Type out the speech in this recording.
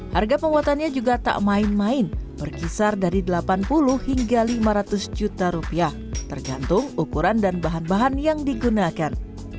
harga pembuatannya juga tak main main berkisar dari delapan puluh hingga lima ratus juta rupiah tergantung ukuran dan bahan bahan yang digunakan